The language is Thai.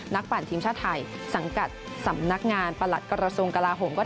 นักปั่นทีมชาติไทยสังกัดสำนักงานประหลัดกรสมกระลาฮม